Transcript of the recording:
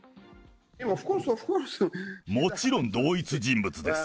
もちろん同一人物です。